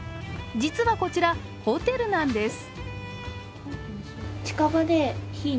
実はこちら、ホテルなんです。